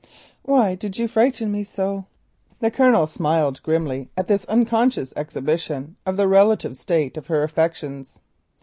"Why did you frighten me so?" The Colonel smiled grimly at this unconscious exhibition of the relative state of her affections.